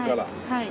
はい。